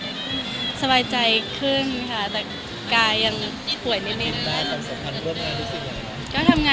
คุณสัมผัสดีครับ